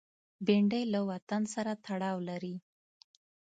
بېنډۍ له وطن سره تړاو لري